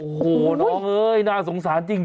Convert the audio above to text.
โอ้โหน้องเอ้ยน่าสงสารจริง